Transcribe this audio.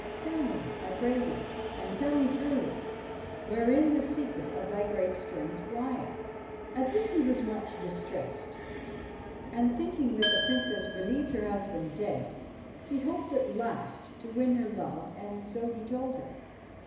Tell me, I pray thee, and tell me truly, wherein the secret of thy great strength lieth.' At this he was much distressed, and, thinking that the Princess believed her husband dead, he hoped at last to win her love ; and so he told her.